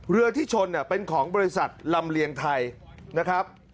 เรือที่ชนเป็นของบริษัทลำเลียงไทยนะครับ